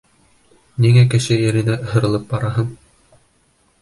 Ниңә кеше иренә һырылып бараһың?